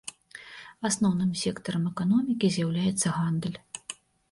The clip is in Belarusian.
Асноўным сектарам эканомікі з'яўляецца гандаль.